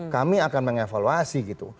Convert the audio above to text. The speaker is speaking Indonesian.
kami akan mengevaluasi gitu